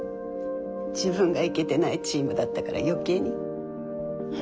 自分がイケてないチームだったから余計に。